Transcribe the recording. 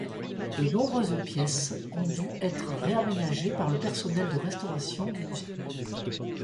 De nombreuses pièces ont dû être réaménagées par le personnel de restauration du musée.